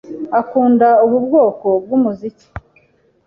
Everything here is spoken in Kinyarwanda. Akunda ubu bwoko bwumuziki.